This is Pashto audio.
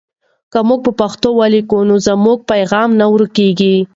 که موږ په پښتو ولیکو نو زموږ پیغام نه ورکېږي.